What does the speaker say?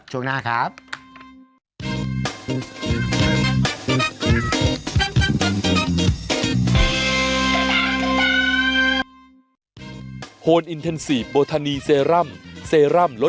ช่วงหน้าครับ